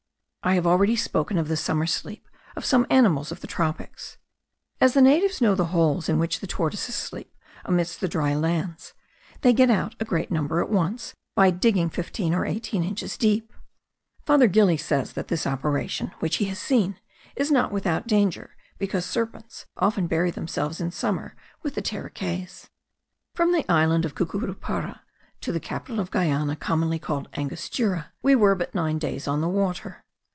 I have already spoken of the summer sleep of some animals of the tropics. As the natives know the holes in which the tortoises sleep amidst the dried lands, they get out a great number at once, by digging fifteen or eighteen inches deep. Father Gili says that this operation, which he had seen, is not without danger, because serpents often bury themselves in summer with the terekays. From the island of Cucuruparu, to the capital of Guiana, commonly called Angostura, we were but nine days on the water.